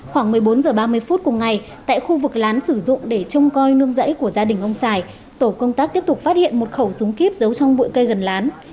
khoảng một mươi bốn h ba mươi phút cùng ngày tại khu vực lán sử dụng để trông coi nương rẫy của gia đình ông sài tổ công tác tiếp tục phát hiện một khẩu súng kíp giấu trong bụi cây gần lán